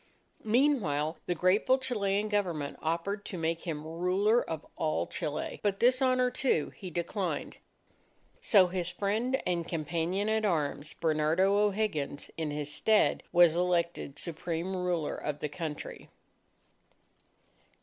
Meanwhile, the grateful Chilean Government offered to make him ruler of all Chile. But this honour, too, he declined. So his friend and companion at arms, Bernardo O'Higgins, in his stead, was elected Supreme Ruler of the country.